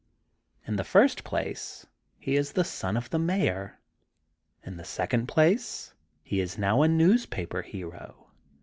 In the first place he is the son of the Mayor. In the second place he is now a news paper hero.